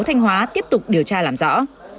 thanh hóa tiếp tục điều tra làm rõ